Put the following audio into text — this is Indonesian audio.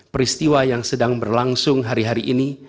peristiwa yang sedang berlangsung hari hari ini